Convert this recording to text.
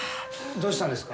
どうしたんですか？